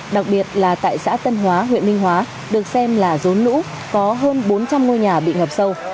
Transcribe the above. đặc biệt là tại xã tân hóa huyện minh hóa được xem là rốn lũ có hơn bốn trăm linh ngôi nhà bị ngập sâu